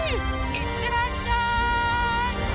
いってらっしゃい！